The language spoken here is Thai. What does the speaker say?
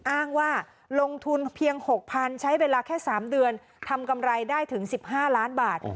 อ้างว่าลงทุนเพียง๖๐๐๐ใช้เวลาแค่๓เดือนทำกำไรได้ถึง๑๕ล้านบาท